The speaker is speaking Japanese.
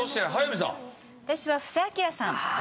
私は布施明さん。